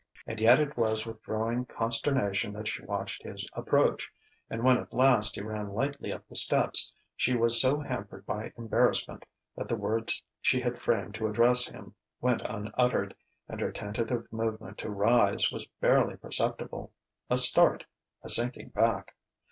And yet it was with growing consternation that she watched his approach, and when at last he ran lightly up the steps, she was so hampered by embarrassment that the words she had framed to address him went unuttered, and her tentative movement to rise was barely perceptible a start, a sinking back.